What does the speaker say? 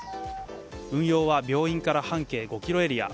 運用は病院から半径５ｋｍエリア。